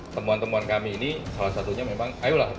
temuan temuan kami ini salah satunya memang ayolah